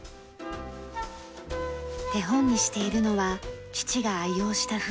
手本にしているのは父が愛用した笛。